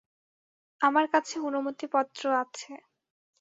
আমার কাছে অনুমতিপত্র আছে।